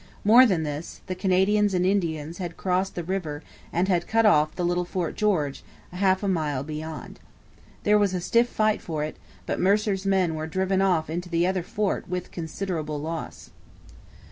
More than this, the Canadians and Indians had crossed the river and had cut off the little Fort George, half a mile beyond. There was a stiff fight for it, but Mercer's men were driven off into the other fort with considerable loss.